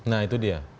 nah itu dia